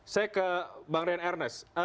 saya ke bang rian ernest